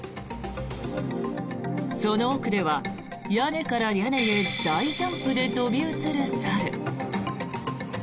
その奥では屋根から屋根へ大ジャンプで飛び移る猿。